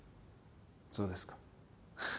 そうですか。